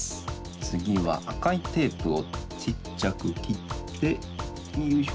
つぎはあかいテープをちっちゃくきってよいしょ。